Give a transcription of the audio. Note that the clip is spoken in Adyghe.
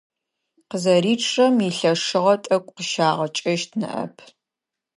Къызэричъырэм илъэшыгъэ тӀэкӀу къыщагъэкӀэщт ныӀэп.